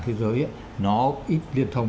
thế giới nó ít liên thông